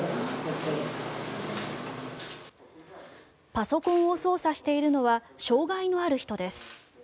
パソコンを操作しているのは障害のある人です。